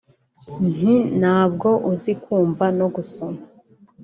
nti ntabwo uzi kumva no gusoma